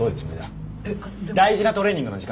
大事なトレーニングの時間なんだ。